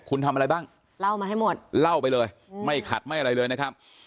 คุณทำอะไรบ้างเล่ามาให้หมดเล่าไปเลยไม่ขัดไม่อะไรเลยนะครับ